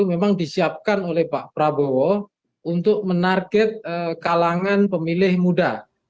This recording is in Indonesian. memang disiapkan oleh pak prabowo untuk menarget kalangan pemilih muda